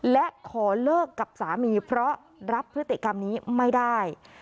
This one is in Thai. และขอเลิกกับสามีเพราะรับพฤติกรรมนี้ไม่ได้